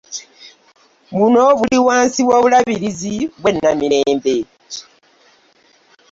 Buno buli wansi w'Obulabirizi bw'e Namirembe